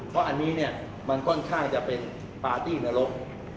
เพราะอันนี้เนี่ยมันค่อนข้างจะเป็นปาร์ตี้นรก